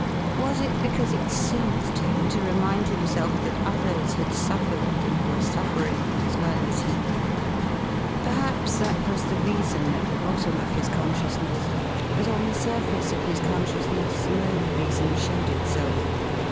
Was it because it soothed him to remind himself that others had sufifered and were suffering as well as he ? Perhaps that was the reason at the bottom of his consciousness, but on the sur face of his consciousness no reason showed itself.